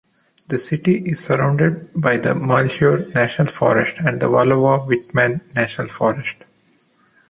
The city is surrounded by the Malheur National Forest and Wallowa-Whitman National Forest.